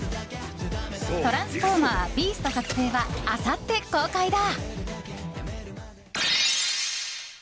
「トランスフォーマー／ビースト覚醒」はあさって公開だ。